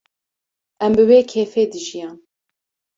Em bi wê kêfê dijiyan